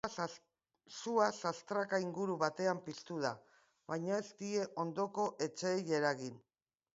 Sua sastraka inguru batean piztu da, baina ez die ondoko etxeei eragin.